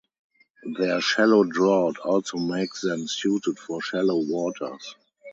Their shallow draught also makes them suited for shallow waters.